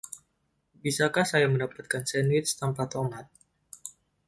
Bisakah saya mendapatkan sandwich tanpa tomat?